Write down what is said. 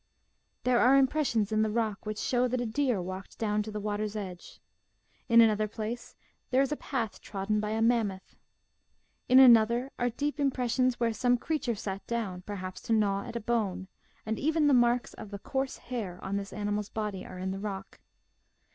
There are impressions in the rock which show that a deer walked down to that water's edge. In another place there is a path trodden by a Mammoth. In another are deep impressions where some creature sat down, perhaps to gnaw at a bone, and even the marks of the coarse hair on this animal's body are in the rock.